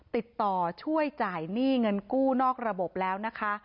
ติดต่อช่วยจ่ายหนี้เงินกู้นอกระบบแล้วนะคะ